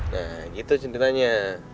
nah gitu cintanya